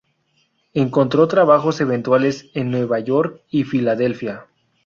Encontró trabajos eventuales en Nueva York y Filadelfia.